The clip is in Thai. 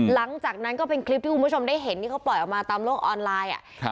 หลังจากนั้นก็เป็นคลิปที่คุณผู้ชมได้เห็นที่เขาปล่อยออกมาตามโลกออนไลน์